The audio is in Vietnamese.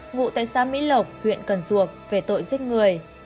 ngụ tại xã mỹ lộc huyện cần duộc về tội giết người